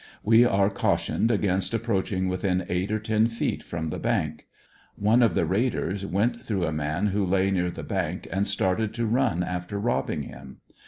We are cau tioned against approaching within eight or ten feet from the bank. One of the raiders went through a man who lay near the bank and started to run after robbing him.